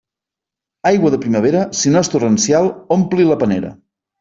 Aigua de primavera, si no és torrencial, ompli la panera.